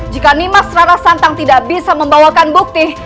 jika nimas rara santang tidak bisa membawakan bukti